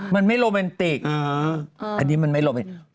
มันไม่โรแมนติกอันนี้มันไม่โรแมน